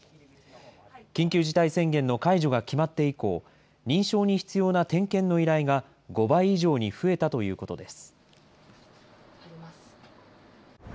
緊急事態宣言の解除が決まって以降、認証に必要な点検の依頼が、５倍以上に増えたということです。